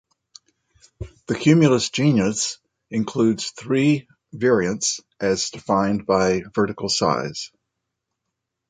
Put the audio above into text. The cumulus genus includes three variants as defined by vertical size.